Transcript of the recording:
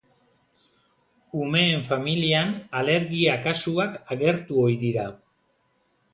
Umeen familian alergia-kasuak agertu ohi dira.